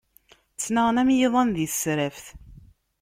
Ttnaɣen am yiḍan di tesraft.